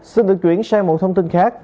xin được chuyển sang một thông tin khác